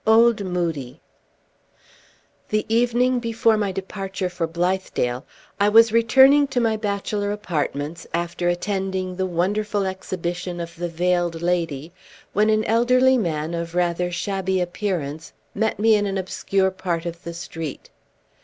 OLD MOODIE The evening before my departure for Blithedale, I was returning to my bachelor apartments, after attending the wonderful exhibition of the Veiled Lady, when an elderly man of rather shabby appearance met me in an obscure part of the street.